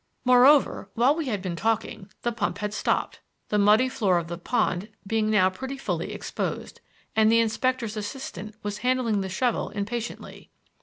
Moreover, while we had been talking, the pump had stopped (the muddy floor of the pond being now pretty fully exposed), and the inspector's assistant was handling the shovel impatiently.